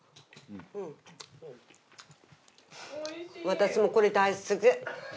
私もこれ大好き。